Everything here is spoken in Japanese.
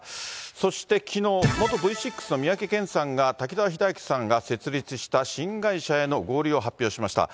そしてきのう、元Ｖ６の三宅健さんが、滝沢秀明さんが設立した新会社への合流を発表しました。